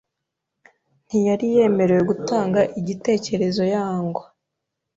Ntiyari yemerewe gutanga igitekerezo yangwa